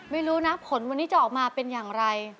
ไม่รู้นะผลวันนี้จะออกมาเป็นอย่างไร